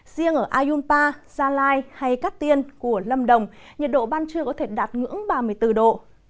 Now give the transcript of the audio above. riêng ở ayunpa gia lai hay cát tiên của lâm đồng nhiệt độ ban trưa có thể đạt ngưỡng ba mươi bốn độ